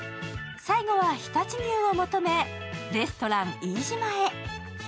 最後は常陸牛を求めレストランイイジマへ。